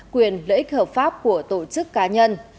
quyền lợi ích hợp pháp của tổ chức cá nhân